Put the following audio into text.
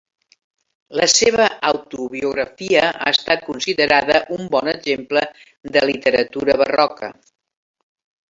La seva autobiografia ha estat considerada un bon exemple de literatura barroca.